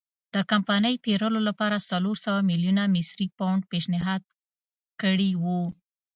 د کمپنۍ پېرلو لپاره څلور سوه میلیونه مصري پونډ پېشنهاد کړي وو.